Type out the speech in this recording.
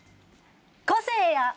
個性や。